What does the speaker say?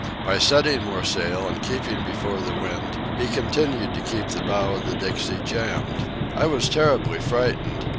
By setting more sail and keeping before the wind, he continued to keep the bow of the Dixie jammed. "I was terribly frightened.